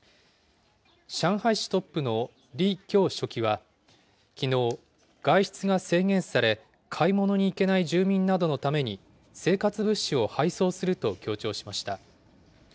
上海市トップの李強書記は、きのう、外出が制限され、買い物に行けない住民などのために生活物資を配送すると強調しました。